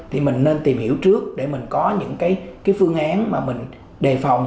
thì mình nên tìm hiểu trước để mình có những cái phương án mà mình đề phòng